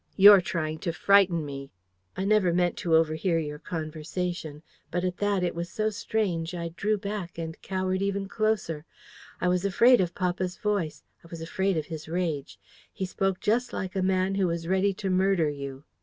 You're trying to frighten me.' "I never meant to overhear your conversation. But at that, it was so strange, I drew back and cowered even closer. I was afraid of papa's voice. I was afraid of his rage. He spoke just like a man who was ready to murder you.